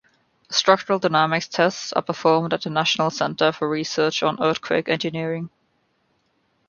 Structural dynamics tests are performed at the National Center for Research on Earthquake Engineering.